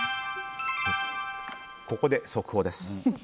ここで速報です。